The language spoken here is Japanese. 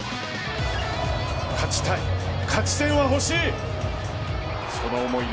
勝ちたい、勝ち点が欲しい！